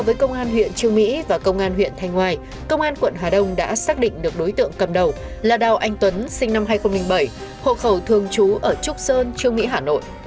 với công an huyện trương mỹ và công an huyện thanh ngoài công an quận hà đông đã xác định được đối tượng cầm đầu là đào anh tuấn sinh năm hai nghìn bảy hộ khẩu thường trú ở trúc sơn trương mỹ hà nội